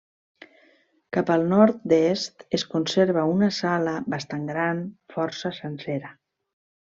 Cap al nord-est es conserva una sala bastant gran, força sencera.